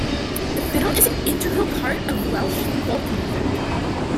The fiddle is an integral part of Welsh folk music.